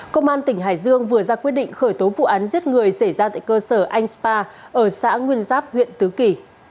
công an tỉnh hải dương vừa ra quyết định khởi tố vụ án giết người xảy ra tại cơ sở anh spa ở xã nguyên giáp huyện tứ kỳ